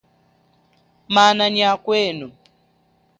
Mana nyia kwenu.